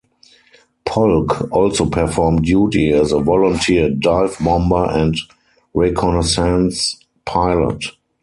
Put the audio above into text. Polk also performed duty as a "volunteer" dive bomber and reconnaissance pilot.